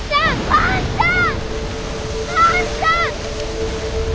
兄ちゃん！